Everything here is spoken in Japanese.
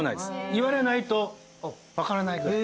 言われないと分からないぐらい。